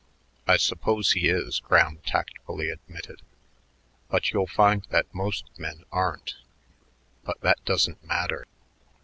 "I suppose he is," Graham tactfully admitted, "but you'll find that most men aren't. But that doesn't matter.